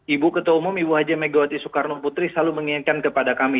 ibu ketua umum ibu haja megawati soekarno putri selalu mengingatkan kepada kami